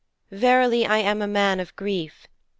Verily I am a man of grief.